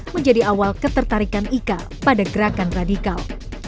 menjadi awal ketertarikan ika pada gerakan radikal